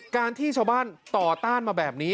การที่ชาวบ้านต่อต้านมาแบบนี้